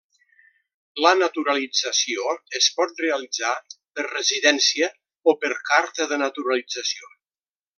La naturalització es pot realitzar per residència o per carta de naturalització.